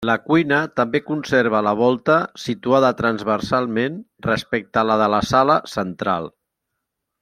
La cuina també conserva la volta situada transversalment respecte a la de la sala central.